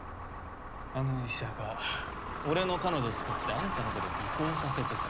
あの医者が俺の彼女使ってあんたのこと尾行させてた。